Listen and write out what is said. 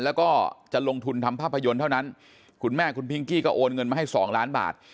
แล้วก็จะลงทุนทำภาพยนตร์เท่านั้นคุณแม่คุณพิงกี้ก็โอนเงินมาให้สองล้านบาท